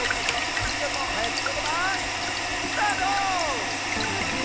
ななみちゃんのはやくちことばスタート！